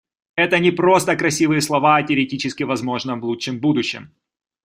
Это не просто красивые слова о теоретически возможном лучшем будущем.